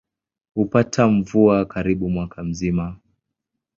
Hupata mvua karibu mwaka mzima.